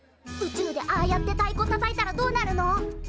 宇宙でああやってたいこたたいたらどうなるの？